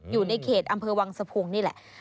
อยู่ในเขตอำเภอวังสะพุงนี่แหละ